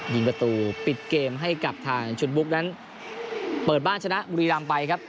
ยิงประตูปิดเกมให้กับทางชุดบุ๊กนั้นเปิดบ้านชนะบุรีรำไปครับ